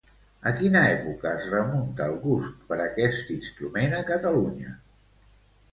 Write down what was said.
A quina època es remunta el gust per aquest instrument a Catalunya?